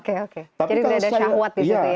oke oke jadi sudah ada syahwat disitu ya